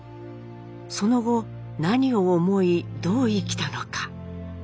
その後何を思いどう生きたのか？